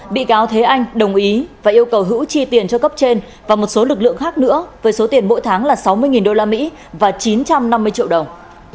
bị cáo thế anh đồng ý và yêu cầu hữu chi tiền cho cấp trên và một số lực lượng khác nữa với số tiền mỗi tháng là sáu mươi usd và chín trăm năm mươi triệu đồng